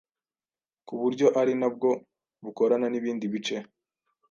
ku buryo ari na bwo bukorana n’ibindi bice